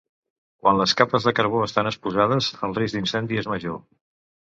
Quan les capes de carbó estan exposades, el risc d'incendi és major.